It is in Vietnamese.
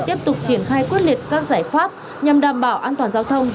tiếp tục triển khai quyết liệt các giải pháp nhằm đảm bảo an toàn giao thông